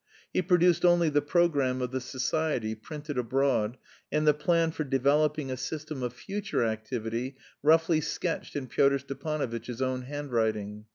He produced only the programme of the society, printed abroad, and the plan for developing a system of future activity roughly sketched in Pyotr Stepanovitch's own handwriting.